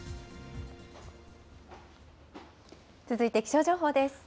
続いて、気象情報です。